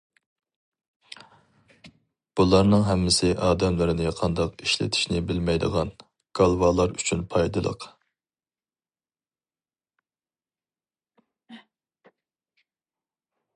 بۇلارنىڭ ھەممىسى ئادەملىرىنى قانداق ئىشلىتىشنى بىلمەيدىغان كالۋالار ئۈچۈن پايدىلىق.